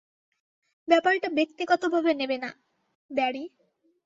ব্যাপারটা ব্যক্তিগতভাবে নেবে না, ব্যারি।